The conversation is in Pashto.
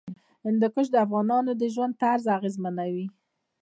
هندوکش د افغانانو د ژوند طرز اغېزمنوي.